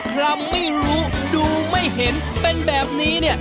คำไม่รู้ดูไม่เห็นเป็นแบบนี้เนี่ย